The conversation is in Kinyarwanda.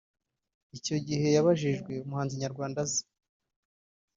Icyo gihe yabajijwe umuhanzi nyarwanda azi